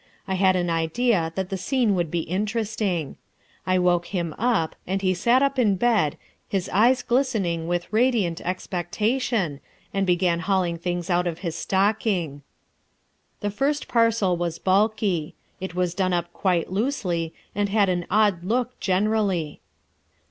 I had an idea that the scene would be interesting. I woke him up and he sat up in bed, his eyes glistening with radiant expectation, and began hauling things out of his stocking. The first parcel was bulky; it was done up quite loosely and had an odd look generally.